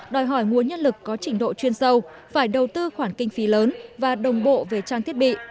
đòi hỏi nguồn nhân lực có trình độ chuyên sâu phải đầu tư khoản kinh phí lớn và đồng bộ về trang thiết bị